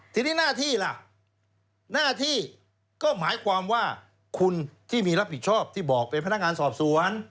ทีนี้หน้าที่ล่ะหน้าที่ก็หมายความว่าคุณที่มีรับผิดชอบที่บอกเป็นพนักงานสอบสวน